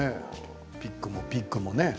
ピックもピッグもね。